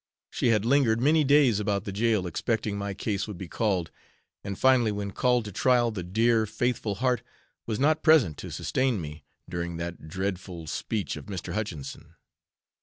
She had lingered many days about the jail expecting my case would be called, and finally when called to trial the dear, faithful heart was not present to sustain me during that dreadful speech of Mr. Hutchinson.